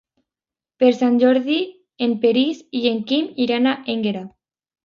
Per Sant Jordi en Peris i en Quim iran a Énguera.